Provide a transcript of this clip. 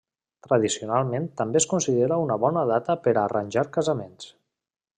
Tradicionalment també es considera una bona data per arranjar casaments.